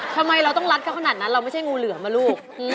ทำไมเราต้องรัดเขาขนาดนั้นเราไม่ใช่งูเหลือมอ่ะลูก